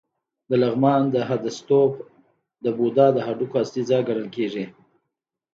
د لغمان د هده ستوپ د بودا د هډوکو اصلي ځای ګڼل کېږي